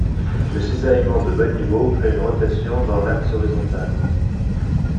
Le cisaillement de bas niveau crée une rotation dans l'axe horizontal.